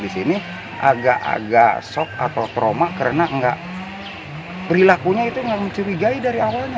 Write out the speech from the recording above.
di sini agak agak sok atau trauma karena perilakunya itu nggak mencurigai dari awalnya